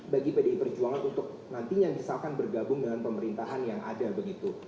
bagi pdi perjuangan untuk nantinya misalkan bergabung dengan pemerintahan yang ada begitu